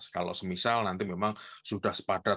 kalau semisal nanti memang sudah sepadat